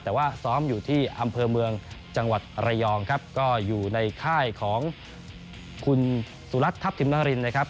แต่ว่าซ้อมอยู่ที่อำเภอเมืองจังหวัดระยองครับก็อยู่ในค่ายของคุณสุรัตนทัพทิมนารินนะครับ